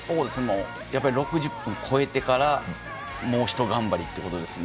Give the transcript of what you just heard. ６０分超えてからもう一頑張りということですね。